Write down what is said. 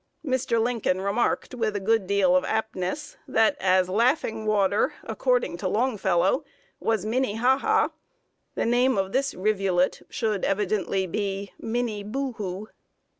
Mr. Lincoln remarked, with a good deal of aptness, that, as laughing water, according to Longfellow, was "Minne haha," the name of this rivulet should evidently be "Minne boohoo."